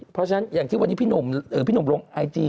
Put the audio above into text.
เพราะฉะนั้นอย่างที่วันนี้พี่หนุ่มลงไอจี